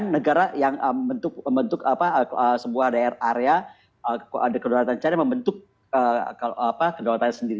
negara yang membentuk sebuah daerah area kedaulatan china membentuk kedaulatan sendiri